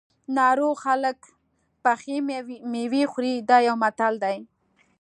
ناروغ خلک پخې مېوې خوري دا یو متل دی.